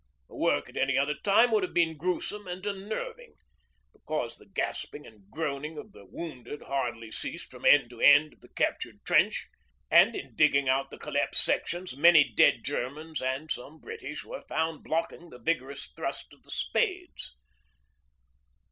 The work at any other time would have been gruesome and unnerving, because the gasping and groaning of the wounded hardly ceased from end to end of the captured trench, and in digging out the collapsed sections many dead Germans and some British were found blocking the vigorous thrust of the spades.